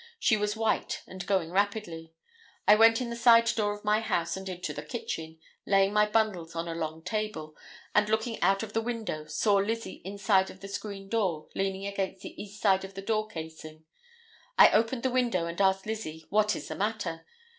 She was white and going rapidly; I went in the side door of my house and into the kitchen, laying my bundles on a long table, and looking out of the window saw Lizzie inside of the screen door leaning against the east side of the door casing. I opened the window and asked Lizzie, what is the matter?